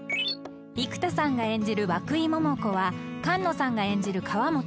［生田さんが演じる涌井桃子は菅野さんが演じる河本舞］